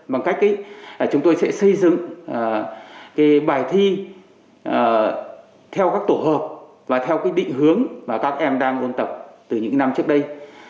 bằng cách chúng tôi sẽ xây dựng bài thi theo các tổ hợp và theo cái định hướng mà các em đang ôn tập từ những năm trước đây